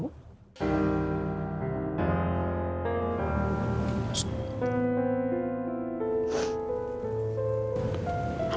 maka saya akan menerima ini